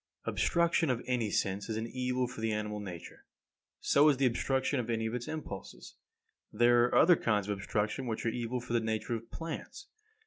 41. Obstruction of any sense is an evil for the animal nature; so is the obstruction of any of its impulses. There are other kinds of obstruction which are evil for the nature of plants.